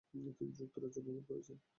তিনি যুক্তরাজ্য ভ্রমণ করেছেন।